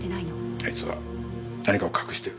あいつは何かを隠してる。